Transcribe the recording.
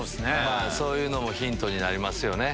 そういうのもヒントになりますね。